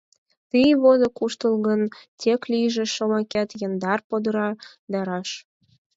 Тый возо куштылгын, Тек лийже шомакет яндар, пӧдыра да раш.